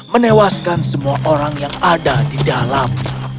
menewaskan semua orang yang ada di dalam